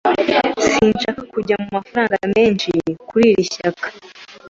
Sinshaka kujya mu mafaranga menshi kuri iri shyaka.